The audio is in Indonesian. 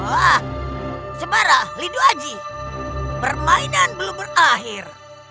wah semara lidu aji permainan belum berakhir